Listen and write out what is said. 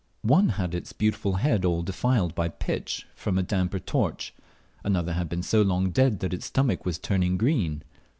One had its beautiful head all defiled by pitch from a dammar torch; another had been so long dead that its stomach was turning green.